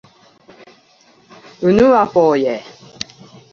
unuafoje